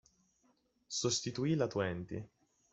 Sostituì la Twenty.